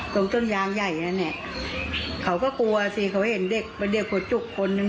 ตรงต้นยางใหญ่นั่นเนี่ยเขาก็กลัวสิเขาเห็นเด็กเป็นเด็กหัวจุกคนนึง